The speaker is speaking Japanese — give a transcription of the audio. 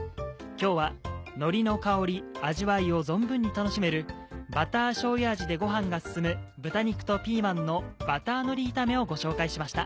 今日はのりの香り味わいを存分に楽しめるバターしょうゆ味でご飯が進む「豚肉とピーマンのバターのり炒め」をご紹介しました。